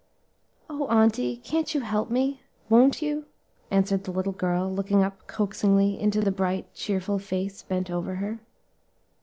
"O auntie! can't you help me? won't you?" answered the little girl, looking up coaxingly into the bright, cheerful face bent over her.